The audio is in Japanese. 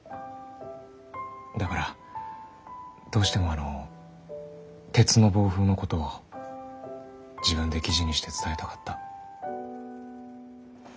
だからどうしてもあの「鉄の暴風」のことを自分で記事にして伝えたかった。